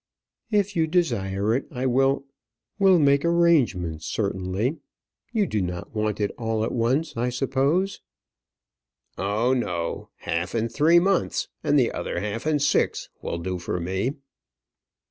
"If you desire it, I will will make arrangements, certainly; you do not want it all at once, I suppose?" "Oh, no; half in three months, and other half in six will do for me."